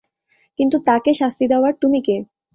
কিন্তু তাকে শাস্তি দেওয়ার তুমি কে?